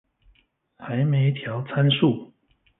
還沒調參數